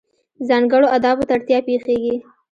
ځانګړو آدابو ته اړتیا پېښېږي.